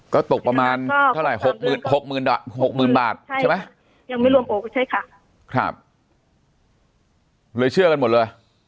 ก็ตกประมาณเท่าไหร่๖๐๐๐บาทใช่ไหมยังไม่รวมโอ้ใช่ค่ะครับเลยเชื่อกันหมดเลย